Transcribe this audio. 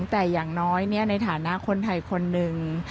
แต่อย่างน้อยในฐานะคนไทยคนหนึ่ง